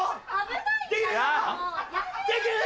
できるよ！